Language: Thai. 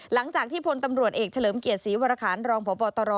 หลังจากที่พลตำรวจเอกเฉลิมเกียรติศรีวรคารรองพบตร